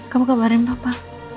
kamu kabarin papa